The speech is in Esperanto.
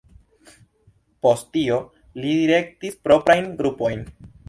Post tio li direktis proprajn grupojn.